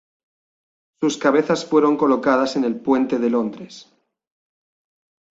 Sus cabezas fueron colocadas en el Puente de Londres.